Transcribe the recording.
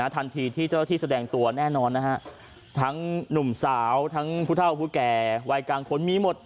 ทันทีที่เจ้าที่แสดงตัวแน่นอนนะฮะทั้งหนุ่มสาวทั้งผู้เท่าผู้แก่วัยกลางคนมีหมด